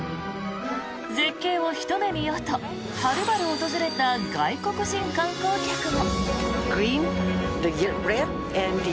絶景をひと目見ようとはるばる訪れた外国人観光客も。